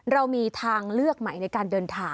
เรามีทางเลือกใหม่ในการเดินทาง